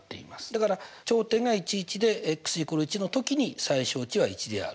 だから頂点がで＝１のときに最小値は１である。